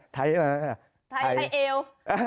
ไทยเอว